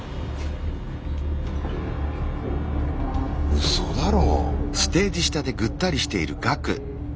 うそだろ。